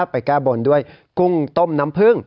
ไปแก้บนด้วยกุ้งต้มน้ำผึ้ง